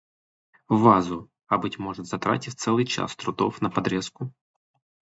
в вазу, а быть может, затратив целый час трудов на подрезку,